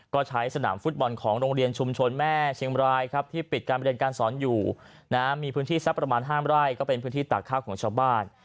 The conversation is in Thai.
ก็ใช้สนามฟุตบอลของโรงเรียนชุมชนแม่เชียงบรายครับที่ปิดการเรียนการสอนอยู่มีพื้นที่สักประมาณ๕ไร่ก็เป็นพื้นที่ตากข้าวของชาวบ้าน